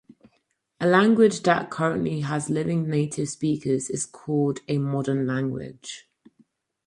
A language that currently has living native speakers is called a modern language.